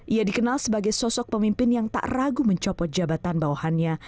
ia dikenal sebagai sosok pemimpin yang tak ragu mencopot jabatan bawahannya